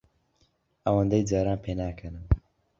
ئەوەندەی جاران پێناکەنم.